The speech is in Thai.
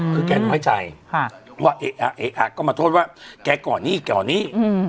คือแกน้อยใจว่าเอ๊ะอ่ะก็มาโทษว่าแกก่อนนี่ก่อนี่